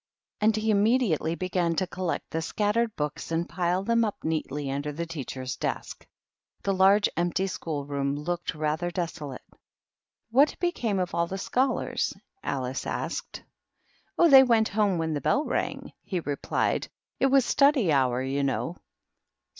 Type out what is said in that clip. And he immediately began to collect the scattered books and pile them up neatly under the teacher's desk. The large empty school room looked rather deso late. "What became of all the scholars?" Alice asked. " Oh, they went home when the bell rang," he replied ;" it was study hour, you know."